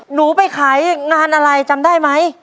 หนูไปขายงานอะไรจำได้ไหม